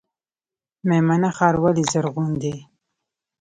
میمنه ښار ولې زرغون دی؟